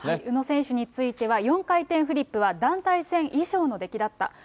宇野選手については、４回転フリップは団体戦以上の出来だった。